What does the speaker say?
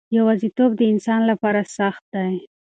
یوازیتوب د انسان لپاره سخت دی.